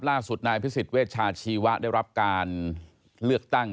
ล่าสุดนายอภิษฎเวชาชีวะได้รับการเลือกตั้ง